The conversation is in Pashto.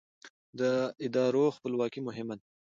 د ادارو خپلواکي مهمه ده